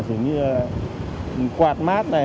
giống như là quạt mát này